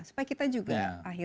supaya kita juga